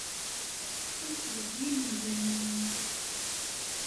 Teḍḍfemt deg yimenzayen-nwent.